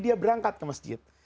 dia berangkat ke masjid